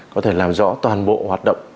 có thể làm rõ toàn bộ hoạt động